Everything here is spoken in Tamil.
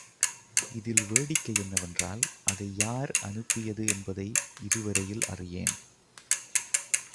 இதில் வேடிக்கை என்னவென்றால், அதை யார் அனுப்பியது என்பதை இதுவரையில் அறியேன்!